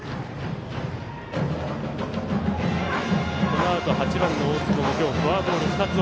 このあと８番の大坪も今日フォアボール２つ。